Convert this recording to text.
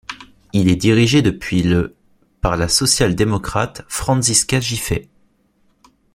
Il est dirigé depuis le par la sociale-démocrate Franziska Giffey.